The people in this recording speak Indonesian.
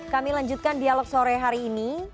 kami lanjutkan dialog sore hari ini